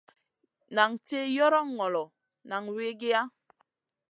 Nan tih yoron ŋolo, nan wikiya.